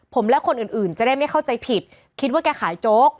ผมและคนอื่นจะได้ไม่เข้าใจผิดคิดว่าแกขายโจ๊ก